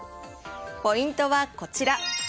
ポイントはこちら。